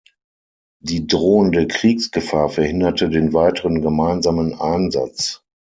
Die drohende Kriegsgefahr verhinderte den weiteren gemeinsamen Einsatz.